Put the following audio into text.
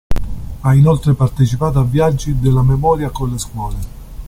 Ha inoltre partecipato a viaggi della memoria con le scuole.